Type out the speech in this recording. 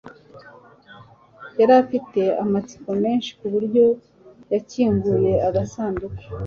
Yari afite amatsiko menshi kuburyo yakinguye agasanduku